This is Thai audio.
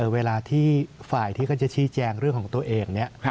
เวลาที่ฝ่ายที่เขาจะชี้แจงเรื่องของตัวเองเนี่ย